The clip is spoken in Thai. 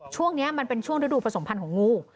ช่วงนี้มันเป็นช่วงฤดูผสมพันธ์ของงู